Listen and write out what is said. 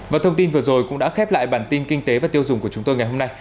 và thông tin vừa rồi cũng đã khép lại bản tin kinh tế và tiêu dùng của chúng tôi ngày hôm nay